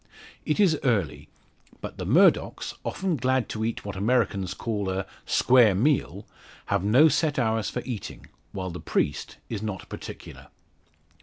It is early; but the Murdocks, often glad to eat what Americans call a "square meal," have no set hours for eating, while the priest is not particular.